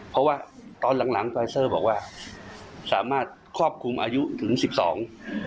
เพราะว่าตอนหลังไฟซ่อบอกว่าสามารถคอบคุมอายุถึง๑๒